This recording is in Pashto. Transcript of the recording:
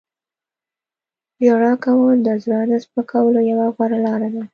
• ژړا کول د زړه د سپکولو یوه غوره لاره ده.